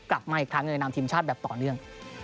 กลับกลับมาอีกทางเลยนางทีมชาติแบบต่อเนื่อง